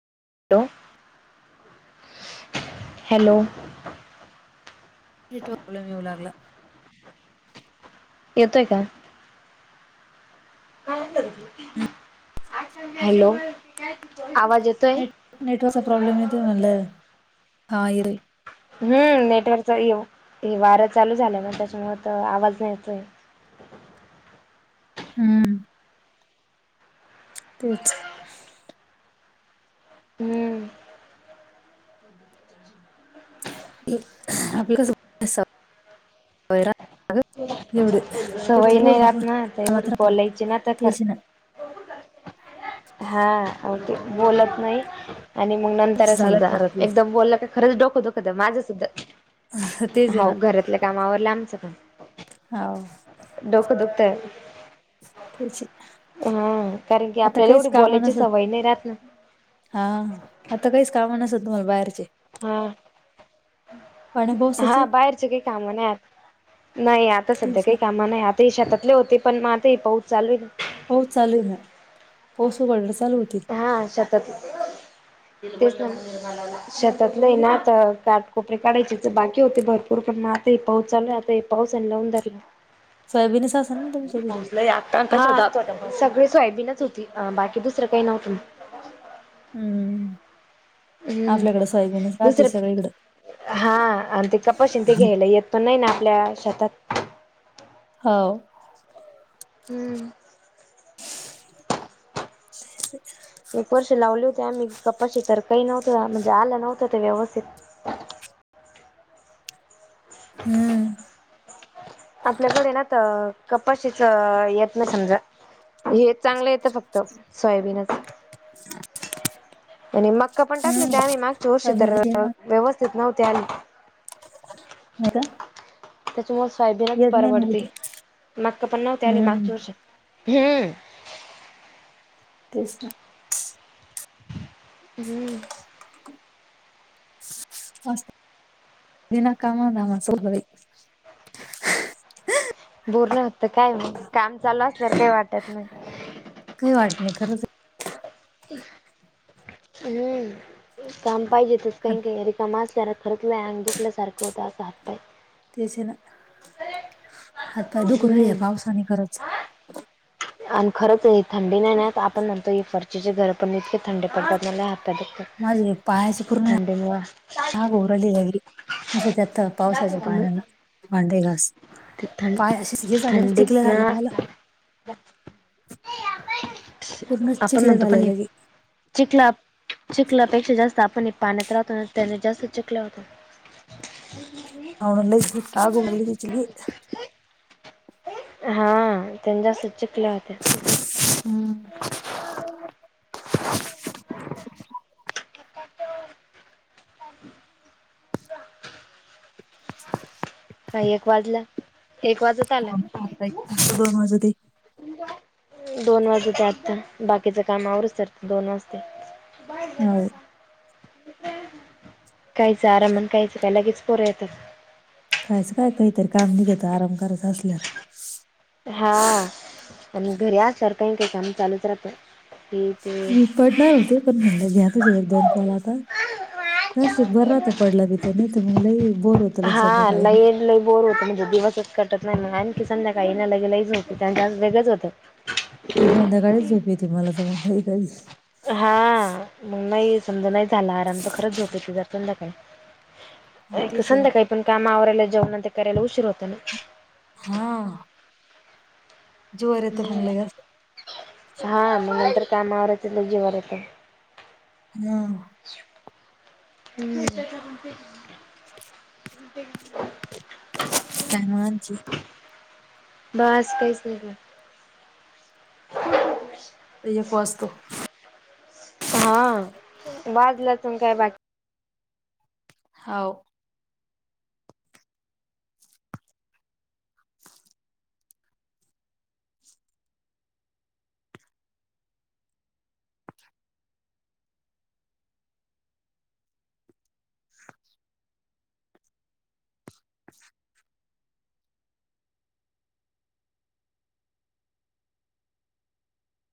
Hello. Hello problem येऊ लागला येतोय का काय करत होतीस हॅलो आवाज येतोय नेट नेटवर्कचा प्रॉब्लेम येतोय म्हणलं. हा येतोय हम नेटवर्क चाललो हे वार चालू झाल ना त्याच्यामुळ आवाज नाय येतोय हम तेच हम्म हॅलो [unintelligible] आपलं कस [unintelligible] वय राहत ना ग एवढं सवय [unintelligible] बोल नाही तू राहत बोल आवाज ना तर एवढी येतो बोलायची ना काय तर [unintelligible] खर काहीच येना हा ओके बोलत नाही आणि मग नंतर झालं समजा घरातलं एकदम बोललं का खरंच डोकं दुखत माझं सुद्धा तेच आहे हाव ना घरातल काम आवरल आमचं पण हाव डोक दुखतंय तेच आहे. हम कारण की आता आपल्याला काहीच एवढी काम बोलायची नसत सवय नाही राहत ना हा आता काहीच काम नसल तुम्हाला बाहेरचे हा पाण्या हा पावसाचे बाहेरचे काही काम नाही आता नाही आता सध्या तेच काही ना. काम नाही आता ते शेतातल होते पण म हे पाऊस चालूल हे पाऊस चालू आहे ना पाऊस उघडलं चालू होतील हा शेतात तेच म्हणलं मला [unintelligible] शेतातलं हाय ना आता काठकोपर काढायचे त बाकी होते भरपूर पण म आता हे पाऊस चालु हे आता हे पाऊसाला लाऊन जाती का? सोयाबीनच असेल ना तुमचं बी पाऊस लय आला. पण तो जात होता ना. सगळी सोयाबीनच होती. बाकी दुसरं काही नव्हतं. हम्म. हम्म आपल्याकडे सोयाबीनच राहते दुसरं सगळीकडं हा आणि ते कप बशीन ते घ्यायला येत. पण नाही ना आपल्या शेतात हो. हम्म. [unintelligible] एक वर्ष लावली होती. आम्ही कपाशी तर काही नव्हत म्हणजे आलं नव्हतं ते व्यवस्थित. हम्म. आपल्याकडे ना त कपाशीच येत नसल गं हे चांगलं येत फक्त, तर सोयाबीन असत. आणि मक्का पण टाकले ते हम्म आम्ही मागच्या वर्षी तर सोयाबीनच व्यवस्थित नव्हते आले. नाही का. तुम्हाला सोयाबीनच येत नाही म्हणजे परवडते. ते मक्का पण नव्हती आली हम्म मागच्या वर्षी. हम्म. तेच की, हम्म. [inaudible] असं बिना कामा धामाचे होय. बोर नव्हत. काय मग काम चालू असल्यावर काही वाटत नाही. काही वाटत नाही खरंच हम्म. काम पाहिजे. तेच हात काही काही रिकाम असल्यान खरच लय अंग दुखल्यासारखं होतं असं. हातपाय, तेच है ना. हात पाय दुखून राहिले या हम्म पावसाने खरच. आणि खरंच थंडी नाही ना. आपण म्हणतो फरशिचे घर पण इतके थंडी पडतात मला ह. माझे पायाची पूर्ण आग होऊन राहिली बाई. असं त्यात पावसाच्या पाण्यान भांडे घासुन. ते थं पाय असेच हे झाले चिकले झाले पायला. पण पूर्ण आपण चिखले म्हणतो पण, झाले लगे चिखला चिखलापेक्षा जास्त आपण पाण्यात राहतो. आणि त्याने जास्त चिखल्या होतो. हो. लयच आग होऊन राहीली त्याच्याने. हा त्यांन जास्त चिकल्या होत्या. हम्म. [unintelligible] [unintelligible] [unintelligible] काय एक वाजला एक वाज मग काम आहेत नुसत दोन वाजती. दोन वाजत ते आता. बाकीचं काम आवरुतसर दोन वाजते. बाहेरन हो जाता. काहीच आराम आण काहीचं कायत्या लगेच पोरं येतात. कायचं काय काहीतरी काम निघत आराम करायचं असल्यावर. हा आणि घरी आसल्यावर सारखं काही काम चालूच राहत्यात हे ते. मी पडणार होते पण म्हंटल घ्यातच एक -दोन कॉल होतात. दर्शिक भर राहत पडला तिथं नाही तर मगलं बोर होत. हा लई लय बोर होत म्हणजे दिवसच कटत नाही म आणखी संध्याकाळी ना लगे लईच झोप येत्या, वेगळंच होतं. संध्याकाळीच झोप येते मला तर मग काही काही हा मग नाही समजा नाही झाला आराम तर खरंच झोप येते संध्याकाळी. मग तेच आहे ना संध्याकाळी पण काम आवरायला जेवनं तेन करायला उशीर होतं ना. हा जीवावर येतं मग हम्म लई असं. हा मग नंतर काम आवरतली जीवावर येत. हा हम्म काय म्हनायची? बास काहीच [unintelligible] एक वाजतो. हा वाजल्या तुन हौ